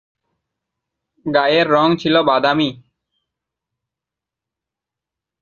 গায়ের রং ছিল বাদামি।